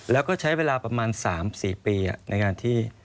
แล้วก็ใช้เวลาประมาณ๓๔ปีในการที่